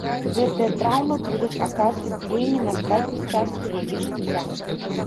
Гэтыя траўмы будуць аказваць дзеянне на астатнюю частку яе жыцця.